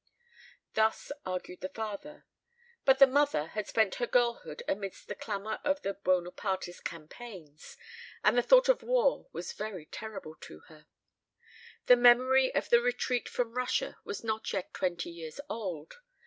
Thus argued the father; but the mother had spent her girlhood amidst the clamour of the Buonapartist campaigns, and the thought of war was very terrible to her. The memory of the retreat from Russia was not yet twenty years old.